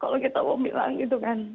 kalau kita mau bilang gitu kan